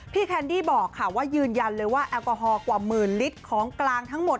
แคนดี้บอกค่ะว่ายืนยันเลยว่าแอลกอฮอลกว่าหมื่นลิตรของกลางทั้งหมด